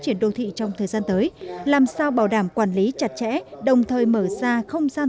triển đô thị trong thời gian tới làm sao bảo đảm quản lý chặt chẽ đồng thời mở ra không gian